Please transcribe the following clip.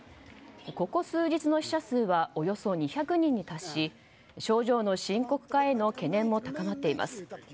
ここ数日の死者数はおよそ２００人に達し症状の深刻化への懸念も高まっています。